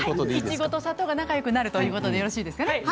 はいいちごと砂糖が仲よくなるということでよろしいですかね。